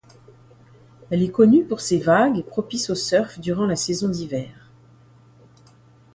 Elle est connue pour ses vagues propices au surf durant la saison d'hiver.